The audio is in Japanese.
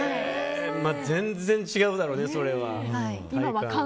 全然違うだろうね、それは体感。